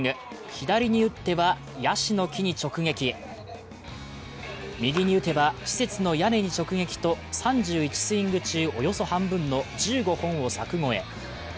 左に打ってはヤシの木に直撃、右に撃てば、施設の屋根に直撃と３１スイング中、およそ半分の１５本を柵越え。